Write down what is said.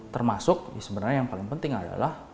termasuk sebenarnya yang paling penting adalah